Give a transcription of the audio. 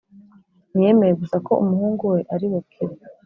. Ntiyemeye gusa ko umuhungu we ari bukire,